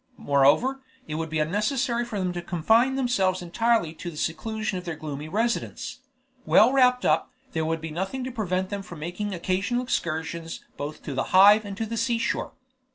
Moreover, it would be unnecessary for them to confine themselves entirely to the seclusion of their gloomy residence; well wrapped up, there would be nothing to prevent them making occasional excursions both to the Hive and to the sea shore.